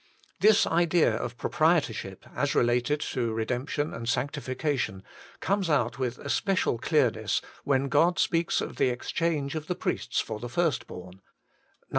This idea of proprietor ship as related to redemption and sanctification comes out with especial clearness when God speaks of the exchange of the priests for the first born (Num.